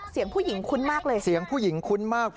เสียงคุ้นมากเลยเสียงผู้หญิงคุ้นมากเลย